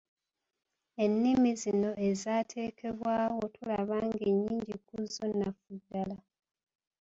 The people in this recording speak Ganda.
Ennimi zino ezaateekebwawo tulaba ng'ennyingi ku zzo nnafu ddala.